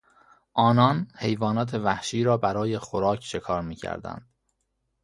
آنان حیوانات وحشی را برای خوراک شکار میکردند.